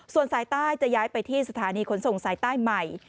ส่วนสายใต้จะย้ายไปที่สถานีขนส่งสายใต้ใหม่